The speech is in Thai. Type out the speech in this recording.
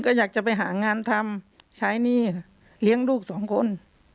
ก็อยากจะไปหางานทำใช้หนี้ค่ะเลี้ยงลูกสองคน